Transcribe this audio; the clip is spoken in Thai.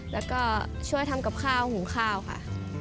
แล้วก็ช่วยทำกับข้าวหุงข้าวค่ะ